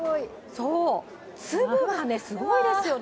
そう、粒がすごいですよね。